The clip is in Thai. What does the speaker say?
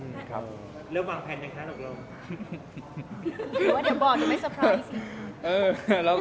หรือว่าเดี๋ยวก็บอกจะไม่เซอร์ไพรส์